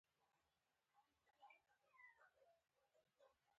پښتو باید د نړۍ په کچه د خبرو کولو ژبه شي.